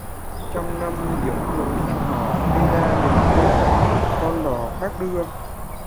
Trăm năm dầu lỗi hẹn hò, cây đa bến cộ con đò khác đưa